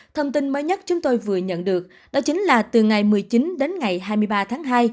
thông tin mới nhất chúng tôi vừa nhận được đó chính là từ ngày một mươi chín đến ngày hai mươi ba tháng hai